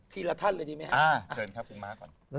ทีละท่านเลยดีไหมครับ